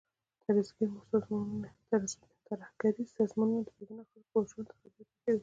ترهګریز سازمانونه د بې ګناه خلکو ژوند ته خطر پېښوي.